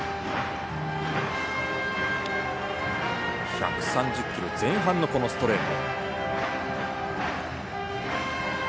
１３０キロ前半のストレート。